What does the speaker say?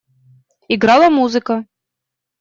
Играла музыка.